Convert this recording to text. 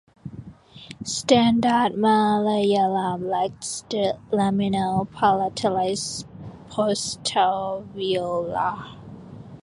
Standard Malayalam lacks the laminal palatalized postalveolar.